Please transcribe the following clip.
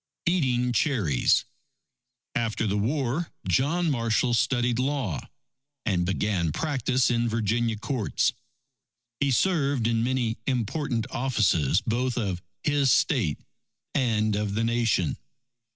Eating Cherries After the war, John Marshall studied law, and began practice in Virginia courts. He served in many important offices both of his State and of the Nation.